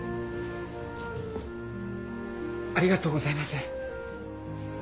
ありがとうございます。